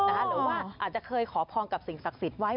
หรือว่าอาจจะเคยขอพรกับสิ่งศักดิ์สิทธิ์ไว้